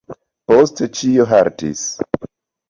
Poste ĉio haltis.